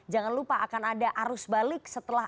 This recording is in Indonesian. jangan lupa akan ada arus balik setelah